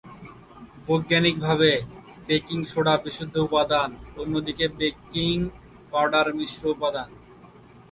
বৈজ্ঞানিকভাবে, baking soda বিশুদ্ধ উপাদান, অন্যদিকে বেকিং পাউডার মিশ্র উপাদান।